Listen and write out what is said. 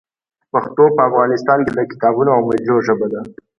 پښتو په افغانستان کې د کتابونو او مجلو ژبه ده.